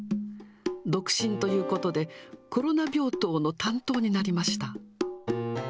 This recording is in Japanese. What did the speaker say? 独身ということで、コロナ病棟の担当になりました。